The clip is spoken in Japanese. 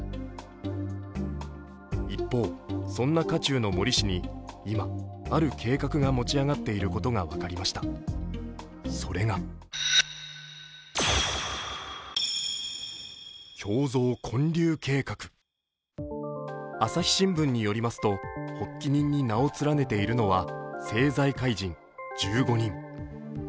一方、そんな渦中の森氏に今、ある計画が持ち上がっていることが分かりました、それが朝日新聞によりますと発起人に名を連ねているのは政財界人１５人。